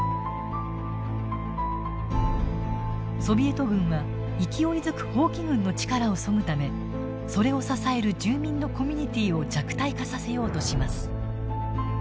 ソビエト軍は勢いづく蜂起軍の力をそぐためそれを支える住民のコミュニティーを弱体化させようとします。